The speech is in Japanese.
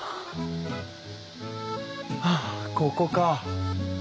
はあここか。